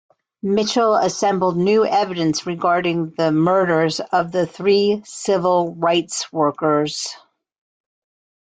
Mitchell assembled new evidence regarding the murders of the three civil rights workers.